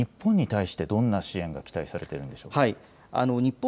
特に日本に対してどんな支援が期待されているんでしょうか。